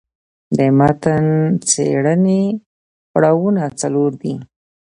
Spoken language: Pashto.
د متن څېړني پړاوونه څلور دي.